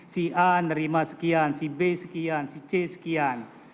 si a nerima sekian si b sekian si c sekian